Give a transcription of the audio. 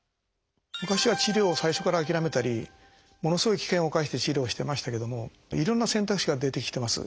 昔は治療を最初から諦めたりものすごい危険を冒して治療をしてましたけどもいろんな選択肢が出てきてます。